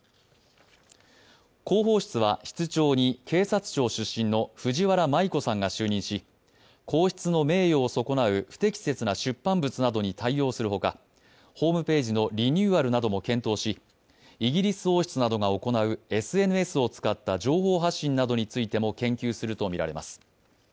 広報室は室長に、警察庁出身の藤原麻衣子さんが就任し、皇室の名誉を損なう不適切な出版物などに対応するほかイギリス王室などが行うＳＮＳを使った情報発信などについても研究するとみられます。